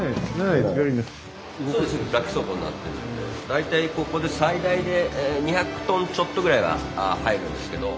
大体ここで最大で２００トンちょっとぐらいは入るんですけど。